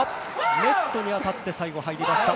ネットに当たって最後入りました。